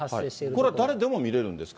これは誰でも見れるんですか。